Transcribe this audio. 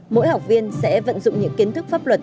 mỗi học viên sẽ vận dụng những kiến thức pháp luật